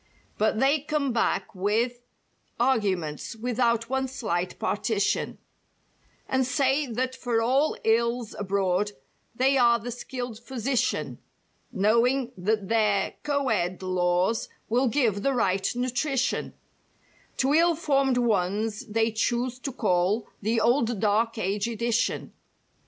"But they come back with arguments without one slight partition, "And say that for all ills abroad they are the skilled physician— "Knowing that their co ed laws will give the right nutrition "To ill formed ones they choose to call 'the old dark age edition.